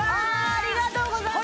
ありがとうございます！